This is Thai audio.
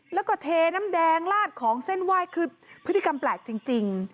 แล้วก็เทน้ำแดงลาดของเส้นไหว้คือพฤติกรรมแปลกจริง